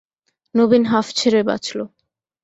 নবীন হাঁফ ছেড়ে বাঁচল।